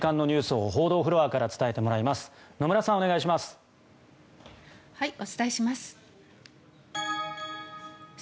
お伝えします。